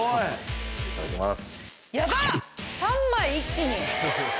いただきます。